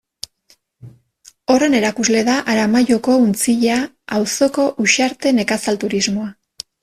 Horren erakusle da Aramaioko Untzilla auzoko Uxarte Nekazal Turismoa.